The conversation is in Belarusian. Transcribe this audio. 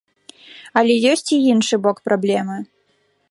Але ёсць і іншы бок праблемы.